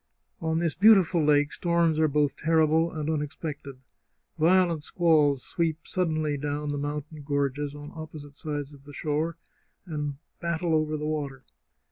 On this beautiful lake storms are both terrible and unexpected. Violent squalls sweep suddenly down the mountain gorges on opposite sides of the shore, and battle over the water.